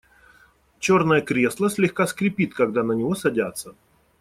Черное кресло слегка скрипит, когда на него садятся.